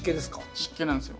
湿気なんですよ。